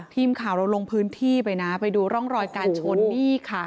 ทีมข่าวเราลงพื้นที่ไปนะไปดูร่องรอยการชนนี่ค่ะ